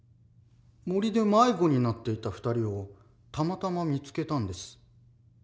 森で迷子になっていた２人をたまたま見つけたんです。